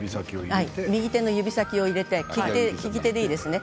右手の指先を入れて利き手でいいです。